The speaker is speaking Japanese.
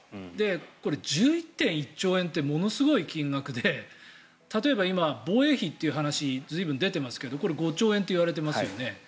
これ、１１．１兆円ってものすごい金額で例えば今、防衛費という話随分、出てますけどこれ、５兆円といわれてますよね。